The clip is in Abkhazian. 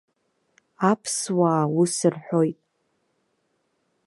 Аԥсуаа ус рҳәоит.